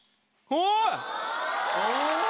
おい！